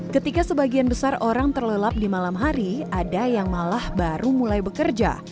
ketika sebagian besar orang terlelap di malam hari ada yang malah baru mulai bekerja